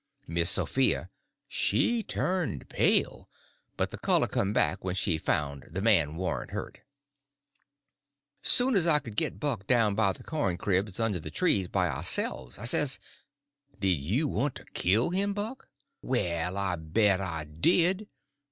Miss Sophia she turned pale, but the color come back when she found the man warn't hurt. Soon as I could get Buck down by the corn cribs under the trees by ourselves, I says: "Did you want to kill him, Buck?" "Well, I bet I did."